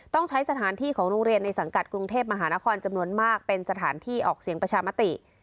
ต้องใช้สถานที่ของโรงเรียนในสังกัดกรุงเทพมหานครจำนวนมากเป็นสถานที่ออกเสียงประชามติ